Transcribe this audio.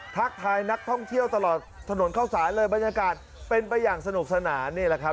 ทักทายนักท่องเที่ยวตลอดถนนเข้าสารเลยบรรยากาศเป็นไปอย่างสนุกสนานนี่แหละครับ